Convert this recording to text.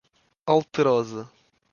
Alterosa